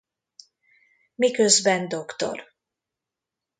Miközben dr.